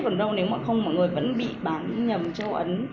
còn đâu nếu mà không mọi người vẫn bị bán nhầm châu ấn